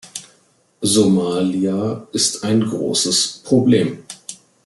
Somalia ist ein großes Problem.